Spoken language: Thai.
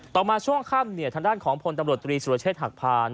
ต่อมาช่วงขั้มทางด้านของผลตำรวจ๓สุรเชษฐ์หักผ่าน